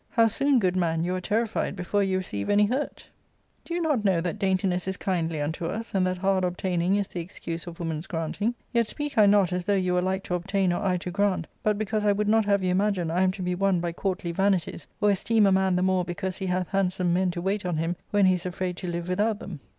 How soon, good man, you are terrified before you receive any hurt ! Do * Comer look — From the comers of her eyes ; a side glance. C C 2 388 ARCADIA.^Book III. you not know that daintiness is kindly unto us, and that hard obtaining is the excuse of woman's granting ? Yet speak I not as though you were like to obtain or I to grant, but because I would not have you imagine I am to be won by courtly vanities, or esteem a man the more because he hath handsome men to wait on him, when he is afraid to live with out them."